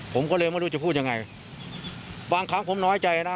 ผมก็เลยไม่รู้จะพูดยังไงบางครั้งผมน้อยใจนะ